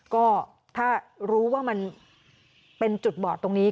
ก็ถ้ารู้ว่ามันเป็นจุดบอดตรงนี้